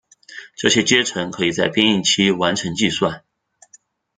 这些阶乘可以在编译期完成计算。